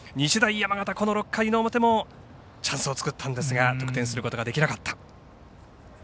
山形、この６回の表もチャンスを作ったんですが得点することができなかった。